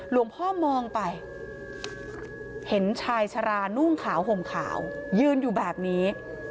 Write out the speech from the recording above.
หลวงพ่อมองไปเห็นชายชะลานุ่งขาวห่มขาวยืนอยู่แบบนี้